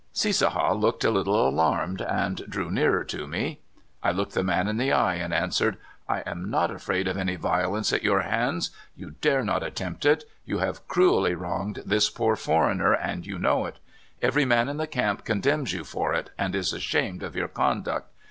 Cissaha looked a little alarmed, and drew near er to me. I looked the man in the eye and answered: I am not afraid of any violence at your hands. You dare not attempt it. You have cruelly wronged this poor foreigner, and you know it. Every man in the camp condemns you for it, and is ashamed of your conduct.